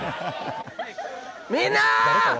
みんなー！